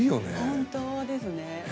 本当ですね。